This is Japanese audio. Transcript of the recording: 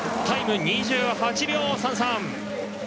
タイムは２８秒３３。